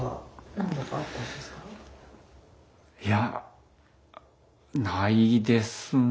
いやないですね。